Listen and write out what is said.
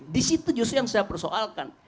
di situ justru yang saya persoalkan